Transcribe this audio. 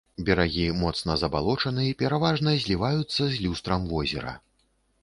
Берагі моцна забалочаны, пераважна зліваюцца з люстрам возера.